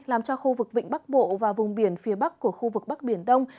làm cho khu vực vịnh bắc bộ và vùng biển phía bắc của khu vực bắc biển đông